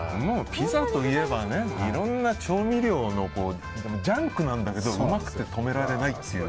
ピザといえばいろんな調味料のジャンクなんだけどうまくて止められないという。